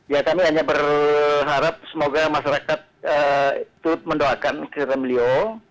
ya kami hanya berharap semoga masyarakat menerima kesempatan beliau